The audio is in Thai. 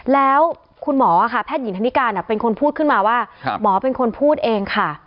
แล้วคุณหมอค่ะแพทย์หญิงธนิการเป็นคนพูดขึ้นมาว่าหมอเป็นคนพูดเองค่ะ